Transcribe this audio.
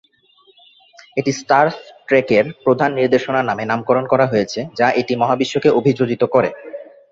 এটি স্টার ট্রেকের প্রধান নির্দেশনার নামে নামকরণ করা হয়েছে, যা এটি মহাবিশ্বকে অভিযোজিত করে।